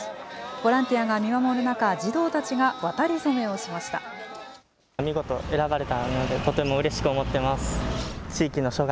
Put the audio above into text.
ボランティアが見守る中、児童たちが渡り初めをしました。